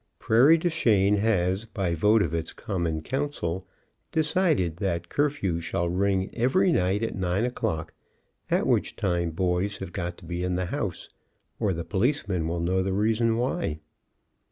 Prairie du Chien has, by vote of its common council, decided that curfew shall ring every night at 9 o'clock, at which time boys have got to be in the house, or the policemen will know the reason why.